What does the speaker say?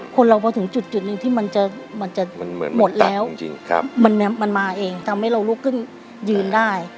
คนเราพอถึงจุดหนึ่งที่มันจะหมดแล้วมันมาเองทำให้เราลุกขึ้นยืนได้